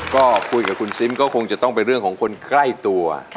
ก็คุยกับคุณซิมก็คงจะต้องเป็นเรื่องของคนใกล้ตัว